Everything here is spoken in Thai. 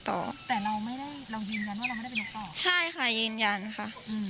แต่เรายืนยันว่าเราไม่ได้เป็นนกต่อเหรอใช่ค่ะยืนยันค่ะ